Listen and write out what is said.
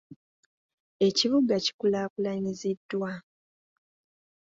Ekibuga kikulaakulanyiziddwa.